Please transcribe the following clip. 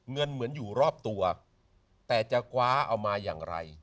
เหมือนอยู่รอบตัวแต่จะคว้าเอามาอย่างไร